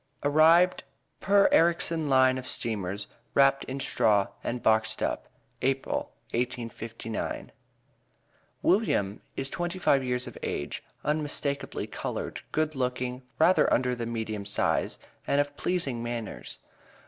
ARRIVED PER ERRICSON LINE OF STEAMERS, WRAPPED IN STRAW AND BOXED UP, APRIL, 1859. William is twenty five years of age, unmistakably colored, good looking, rather under the medium size, and of pleasing manners.